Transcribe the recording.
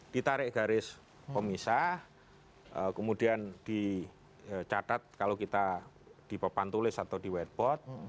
ditarik garis pemisah kemudian dicatat kalau kita di pepantulis atau di whiteboard